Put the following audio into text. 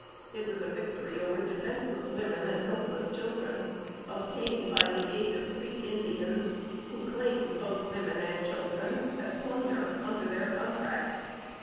It was a victory over defenseless women and helpless children, obtained by the aid of Creek Indians, who claimed both women and children as plunder under their contract.